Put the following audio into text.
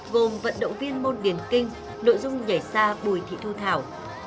gồm vận động viên môn điển kinh nội dung nhảy xa bùi thị thu thảo